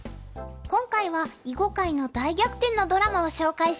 今回は囲碁界の大逆転のドラマを紹介します。